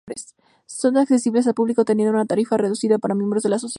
Son accesibles al público, teniendo una tarifa reducida para miembros de la asociación.